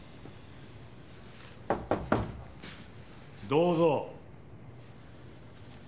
どうぞ。